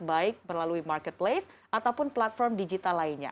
baik melalui marketplace ataupun platform digital lainnya